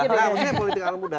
maksudnya politik anak muda